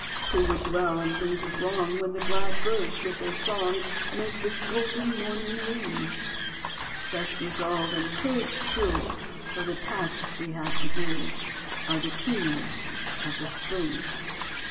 Who would dwell on things of wrong When the glad birds with their song April Fifth Make the golden morning ring? Fresh resolve and courage true For the tasks we have to do Are the key notes of the spring!